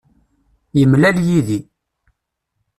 Yemlal yid-i.